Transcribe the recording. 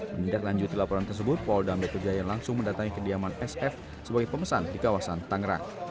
menindaklanjuti laporan tersebut polda metro jaya langsung mendatangi kediaman sf sebagai pemesan di kawasan tangerang